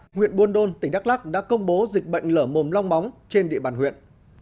huyện buôn đôn tỉnh đắk lắc đã công bố dịch bệnh lở mồm long móng trên địa bàn huyện